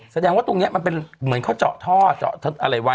แสดงว่าตรงนี้มันเป็นเหมือนเขาเจาะท่อเจาะอะไรไว้